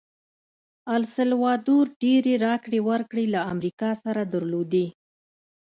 السلوادور ډېرې راکړې ورکړې له امریکا سره درلودې.